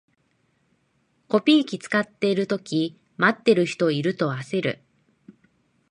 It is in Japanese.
コピー機使ってるとき、待ってる人いると焦る